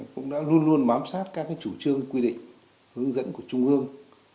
cũng đã luôn luôn bám sát các chủ trương quy định hướng dẫn của trung ương